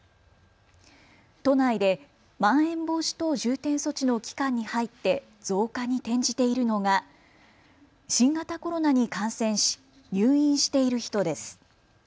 都内でまん延防止等重点措置の期間に入って増加に転じているのが新型コロナに感染し、入院している人です。